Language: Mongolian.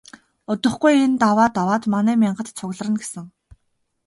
Удахгүй энэ даваа даваад манай мянгат цугларна гэсэн.